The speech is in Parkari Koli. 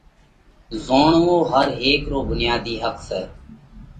زوڻوو ھر ھيڪ رو ڀڻياڌي حق سئہ۔